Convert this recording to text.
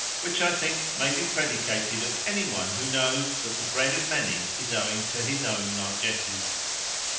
which I think may be predicated of any one who knows that the bread of many is owing to his own largesses.